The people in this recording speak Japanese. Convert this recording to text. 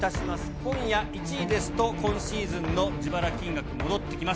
今夜１位ですと、今シーズンの自腹金額戻ってきます。